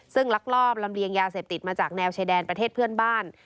ซึ่งลักลอบลำเลียงยาเสพติดมาจากแนวชายแดนประเทศเพื่อนบ้าน